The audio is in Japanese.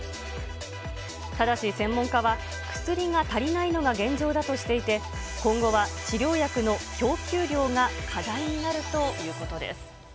ただし専門家は、薬が足りないのが現状だとしていて、今後は治療薬の供給量が課題になるということです。